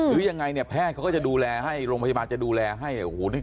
หรือยังไงเนี่ยแพทย์เขาก็จะดูแลให้โรงพยาบาลจะดูแลให้โอ้โห